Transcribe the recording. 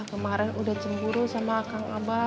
kemarin udah cemburu sama kang abah